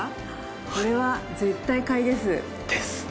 これは絶対買いです。ですね。